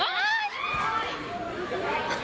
อ้าวอ้าว